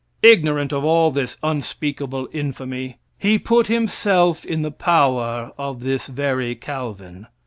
Ignorant of all this unspeakable infamy, he put himself in the power of this very Calvin.